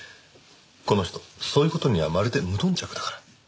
この人そういう事にはまるで無頓着だから。